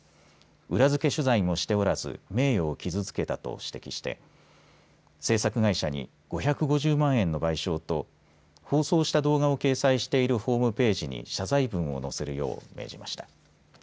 裏付け取材もしておらず名誉を傷つけたと指摘して制作会社に５５０万円の賠償と放送した動画を掲載しているホームページに謝罪文を載せるよう命じました。